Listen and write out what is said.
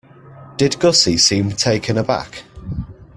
Did Gussie seem taken aback?